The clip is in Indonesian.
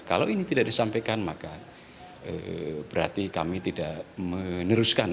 kalau ini tidak disampaikan maka berarti kami tidak meneruskan